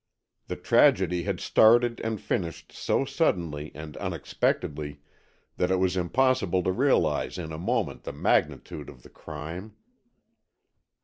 The tragedy had started and finished so suddenly and unexpectedly that it was impossible to realize in a moment the magnitude of the crime.